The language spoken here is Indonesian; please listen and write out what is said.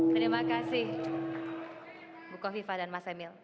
terima kasih bukofifa dan mas emil